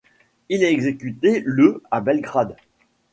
Il est exécuté le à Belgrade.